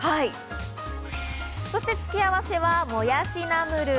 そして付け合わせはもやしナムル。